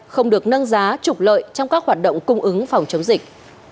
không được nâng giá trục lợi trong các hoạt động cung ứng phòng chống dịch